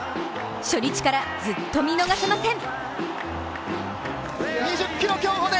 初日からずっと見逃せません。